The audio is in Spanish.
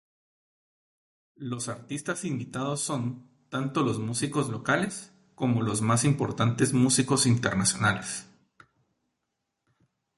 Los artistas invitados son, tanto los músicos locales, como los más importantes músicos internacionales.